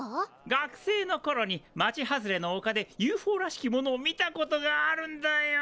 学生のころに町外れのおかでＵＦＯらしきものを見たことがあるんだよ。